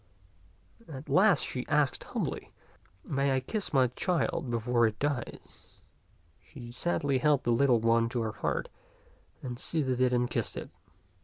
At last she asked humbly, " May I kiss my child before it dies ?" She sadly held the little one to her heart, and soothed it and kissed it.